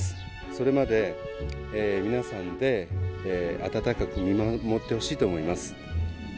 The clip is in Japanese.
それまで皆さんで温かく見守ってほしいと思います。